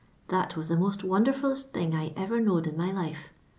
That was the most wonderfullest thing I ever knowed in my life.